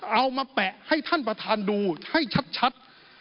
มาแปะให้ท่านประธานดูให้ชัด